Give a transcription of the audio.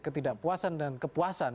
ketidakpuasan dan kepuasan